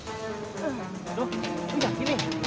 aduh kayak gini